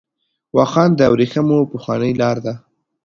واخان د ورېښمو پخوانۍ لار ده .